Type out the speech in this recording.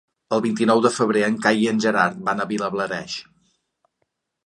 El vint-i-nou de febrer en Cai i en Gerard van a Vilablareix.